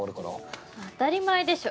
当たり前でしょ。